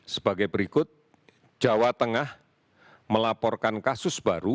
sebagai berikut jawa tengah melaporkan kasus baru